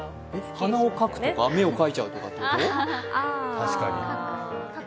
鼻をかくとか、目をかいちゃうということ？